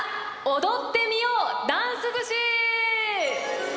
「踊ってみようダンス寿司」！